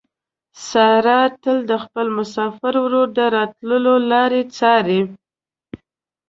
ساره تل د خپل مسافر ورور د راتلو لارې څاري.